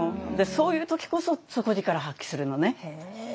そういう時こそ底力発揮するのね。